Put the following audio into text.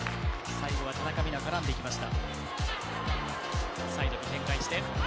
最後は田中美南絡んでいきました。